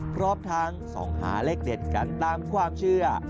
พร้อมทั้งส่องหาเลขเด็ดกันตามความเชื่อ